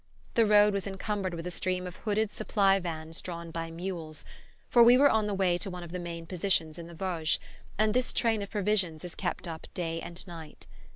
The road was encumbered with a stream of hooded supply vans drawn by mules, for we were on the way to one of the main positions in the Vosges, and this train of provisions is kept up day and night.